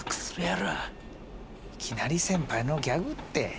いきなり先輩のギャグって。